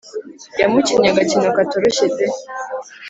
Yamukinnye agakino katoroshye pe